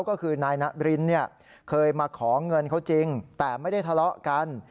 ก็คือนายนารินเนี่ยเคยมาขอเงินเขาจริงแต่ไม่ได้ทะเลาะกัน